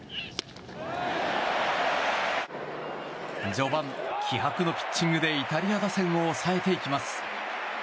序盤、気迫のピッチングでイタリア打線を抑えていきます。